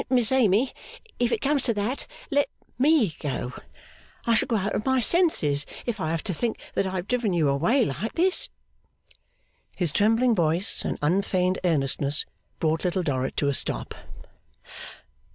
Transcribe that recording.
Miss Amy, if it comes to that, let me go. I shall go out of my senses, if I have to think that I have driven you away like this.' His trembling voice and unfeigned earnestness brought Little Dorrit to a stop.